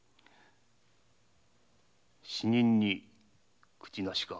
「死人に口無し」か？